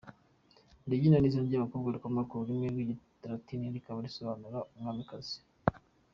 Regine ni izina ry’abakobwa rikomoka ku rurimi rw’Ikilatini rikaba risobanura “Umwamikazi”.